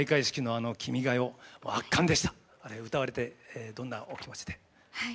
あれ歌われてどんなお気持ちで？